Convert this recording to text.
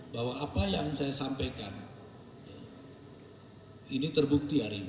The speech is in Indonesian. bahwa apa yang saya sampaikan ini terbukti hari ini